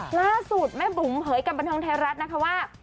ล่าสุดแม่บุ๋มเผยกับบันเทิงไทยรัฐนะคะว่า